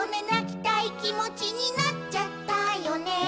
「なきたいきもちになっちゃったよね」